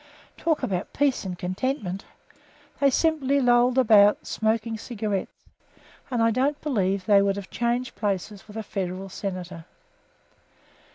Talk about peace and contentment they simply lolled about in the scrub smoking cigarettes, and I don't believe they would have changed places with a Federal Senator.